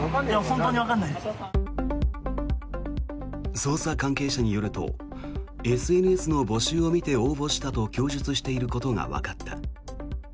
捜査関係者によるとＳＮＳの募集を見て応募したと供述していることがわかった。